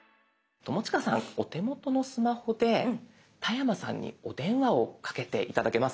友近さんお手元のスマホで田山さんにお電話をかけて頂けますでしょうか。